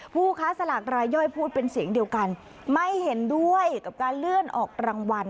ผู้ค้าสลากรายย่อยพูดเป็นเสียงเดียวกันไม่เห็นด้วยกับการเลื่อนออกรางวัล